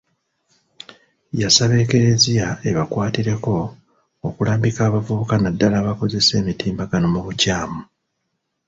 Yasaba Ekereziya ebakwatireko okulambika abavubuka naddala abakozesa emitimbagano mu bukyamu.